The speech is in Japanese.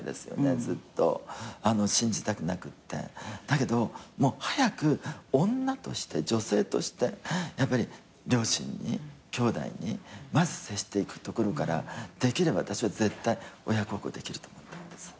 だけどもう早く女として女性としてやっぱり両親にきょうだいにまず接していくところからできれば私は絶対親孝行できると思ったんです。